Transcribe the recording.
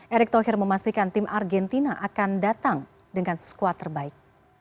erick thohir memastikan tim argentina akan datang dengan squad terbaik